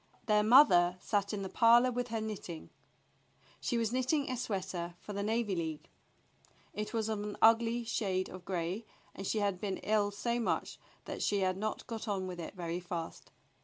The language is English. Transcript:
Their mother sat in the parlor with her knitting. She was knitting a sweater for the Navy League. It was of an ugly shade of gray, and she had been ill so much that she had not got on with it very fast.